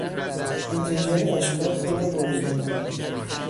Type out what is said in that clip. انزجار آشکار خود را بروز دادن